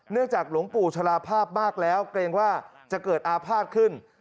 จากหลวงปู่ชะลาภาพมากแล้วเกรงว่าจะเกิดอาภาษณ์ขึ้น